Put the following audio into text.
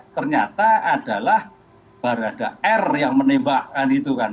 ternyata adalah barada r yang menembakkan itu kan